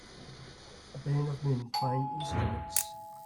A band of men playing instruments.